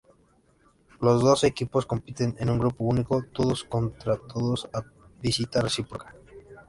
Los doce equipos compiten en un grupo único, todos contra todos a visita reciproca.